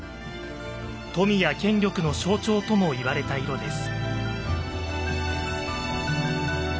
富や権力の象徴ともいわれた色です。